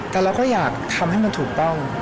แต่เราก็อยากทำให้มันถูกต้อง